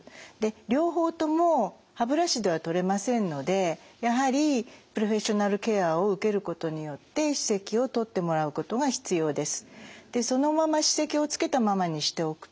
両方とも歯ブラシでは取れませんのでやはりプロフェッショナルケアを受けることによって歯石を取ってもらうことが必要です。